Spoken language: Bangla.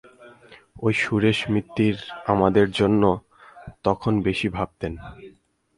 ঐ সুরেশ মিত্তিরই আমাদের জন্য তখন বেশী ভাবতেন।